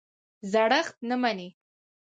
زړښت نه مني.